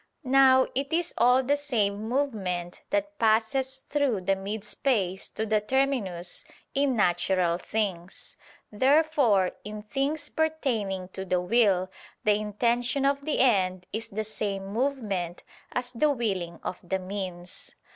Now it is all the same movement that passes through the mid space to the terminus, in natural things. Therefore in things pertaining to the will, the intention of the end is the same movement as the willing of the means.